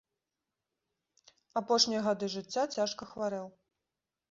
Апошнія гады жыцця цяжка хварэў.